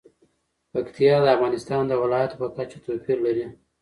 پکتیا د افغانستان د ولایاتو په کچه توپیر لري.